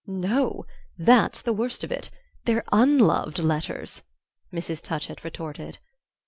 "No that's the worst of it; they're unloved letters," Mrs. Touchett retorted.